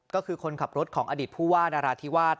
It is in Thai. ก็คือคนขับรถของอดีตผู้ว่านราธิวาส